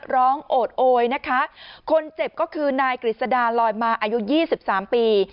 โอดโอยนะคะคนเจ็บก็คือนายกฤษดาลอยมาอายุยี่สิบสามปี